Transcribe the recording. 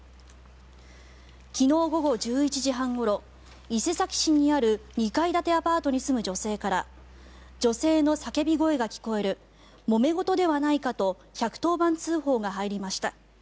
昨日午後１１時半ごろ伊勢崎市にある２階建てアパートに住む女性から女性の叫び声が聞こえるもめ事ではないかと１１０番通報が入りました。